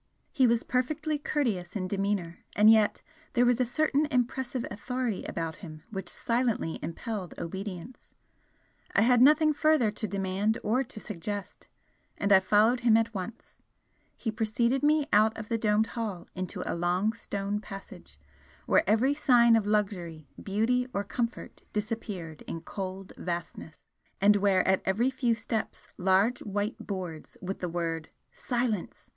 He was perfectly courteous in demeanour, and yet there was a certain impressive authority about him which silently impelled obedience. I had nothing further to demand or to suggest, and I followed him at once. He preceded me out of the domed hall into a long stone passage, where every sign of luxury, beauty or comfort disappeared in cold vastness, and where at every few steps large white boards with the word 'Silence!'